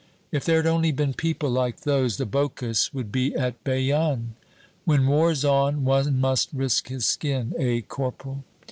"If there'd only been people like those, the Boches would be at Bayonne." "When war's on, one must risk his skin, eh, corporal?"